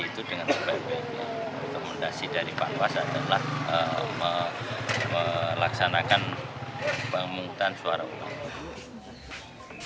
itu dengan sebagian dari rekomendasi dari panwas adalah melaksanakan pengungutan suara ulang